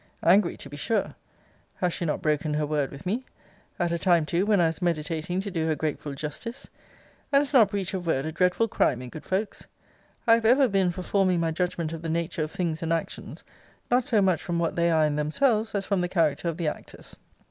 Angry to be sure. Has she not broken her word with me? At a time too when I was meditating to do her grateful justice? And is not breach of word a dreadful crime in good folks? I have ever been for forming my judgment of the nature of things and actions, not so much from what they are in themselves, as from the character of the actors.